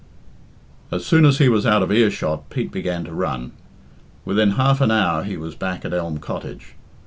As soon as he was out of earshot Pete began to run. Within half an hour he was back at Elm Cottage.